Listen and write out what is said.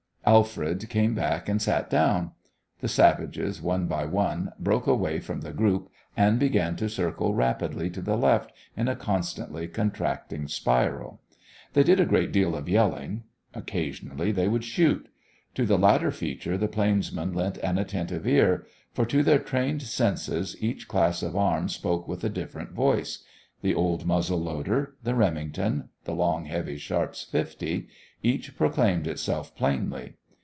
Alfred came back and sat down. The savages, one by one, broke away from the group and began to circle rapidly to the left in a constantly contracting spiral. They did a great deal of yelling. Occasionally they would shoot. To the latter feature the plainsmen lent an attentive ear, for to their trained senses each class of arm spoke with a different voice the old muzzle loader, the Remington, the long, heavy Sharp's 50, each proclaimed itself plainly.